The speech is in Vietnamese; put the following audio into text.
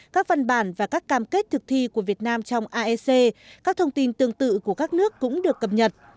các văn bản và các cam kết thực thi của việt nam trong aec các thông tin tương tự của các nước cũng được cập nhật